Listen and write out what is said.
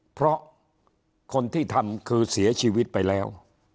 เพราะคนที่ทำคือเสียชีวิตไปแล้ว